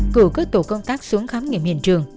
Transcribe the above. cử các tổ công tác xuống khám nghiệm hiện trường